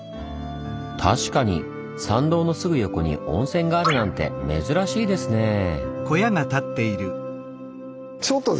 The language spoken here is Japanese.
確かに参道のすぐ横に温泉があるなんて珍しいですねぇ。